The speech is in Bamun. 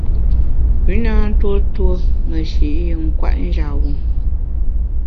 Pü na ntuo tuo meshi’ kwet njap-bu.